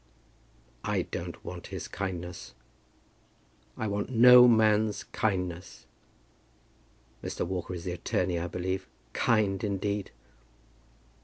"I don't want his kindness. I want no man's kindness. Mr. Walker is the attorney, I believe. Kind, indeed!"